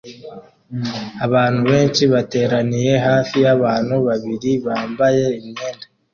Abantu benshi bateraniye hafi yabantu babiri bambaye imyenda